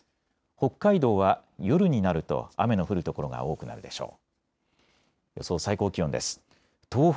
北海道は夜になると雨の降る所が多くなるでしょう。